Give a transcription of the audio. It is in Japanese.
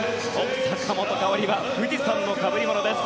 坂本花織は富士山のかぶりものです。